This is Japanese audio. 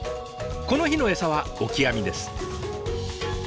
この日の餌はオキアミです。